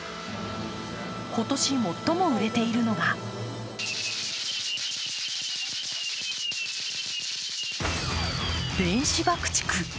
今年、最も売れているのが電子爆竹。